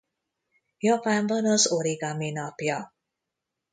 Japánban az Origami Napja.